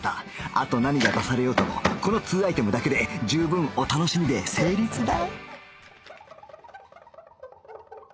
あと何が出されようともこの２アイテムだけで十分お楽しみデー成立だ